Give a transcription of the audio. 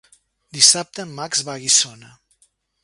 Dissabte en Max va a Guissona.